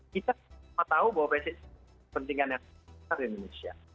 kita semua tahu bahwa pssi kepentingan yang besar di indonesia